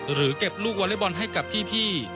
หรือเก็บลูกวอเล็กบอลให้กับพี่